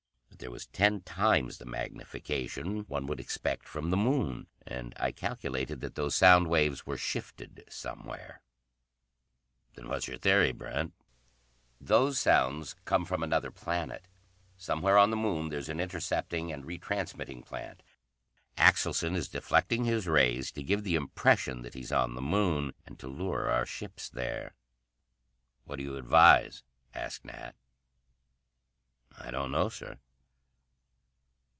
But there was ten times the magnification one would expect from the Moon; and I calculated that those sound waves were shifted somewhere." "Then what's your theory, Brent?" "Those sounds come from another planet. Somewhere on the Moon there's an intercepting and re transmitting plant. Axelson is deflecting his rays to give the impression that he's on the Moon, and to lure our ships there." "What do you advise?" asked Nat. "I don't know, Sir."